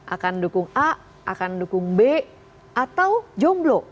akan dukung a akan dukung b atau jomblo